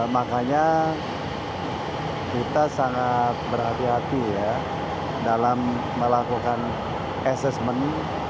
makanya kita sangat berhati hati ya dalam melakukan assessment